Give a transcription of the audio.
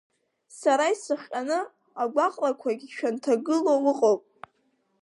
Сара исыхҟьаны агәаҟрақәагь шәанҭагылоу ыҟоуп.